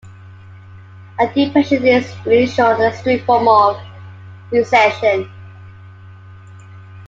A depression is an unusual and extreme form of recession.